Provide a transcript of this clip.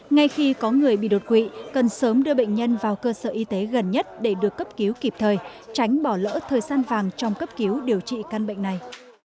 ngay khi có người bị đột quỵ cần sớm đưa bệnh nhân vào cơ sở y tế gần nhất để được cấp cứu kịp thời tránh bỏ lỡ thời gian vàng trong cấp cứu điều trị căn bệnh này